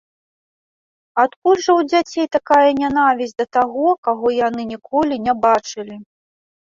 Адкуль жа ў дзяцей такая нянавісць да таго, каго яны ніколі не бачылі?